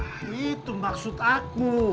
nah itu maksud aku